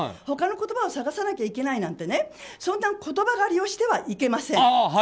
他の言葉を探さなきゃいけないなんて言葉狩りをしてはいけません。